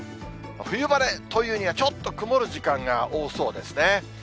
冬晴れというには、ちょっと曇る時間が多そうですね。